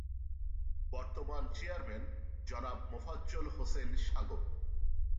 বর্তমান চেয়ারম্যান- জনাব মোফাজ্জল হোসেন সাগর